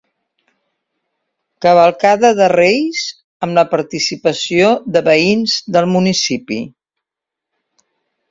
Cavalcada de reis amb la participació de veïns del municipi.